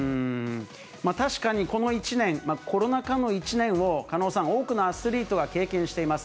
確かにこの１年、コロナ禍の一年を、狩野さん、多くのアスリートは経験しています。